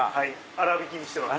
粗びきにしてます。